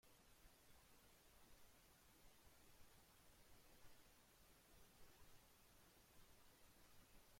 Al mismo tiempo, las fuerzas armadas fueron modernizadas y orientadas hacia una postura defensiva.